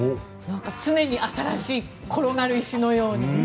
常に新しい転がる石のようにね。